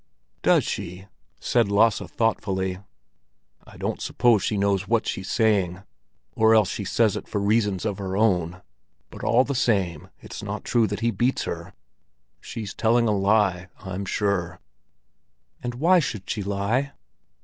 "Does she?" said Lasse thoughtfully. "I don't suppose she knows what she's saying, or else she says it for reasons of her own. But all the same, it's not true that he beats her! She's telling a lie, I'm sure." "And why should she lie?"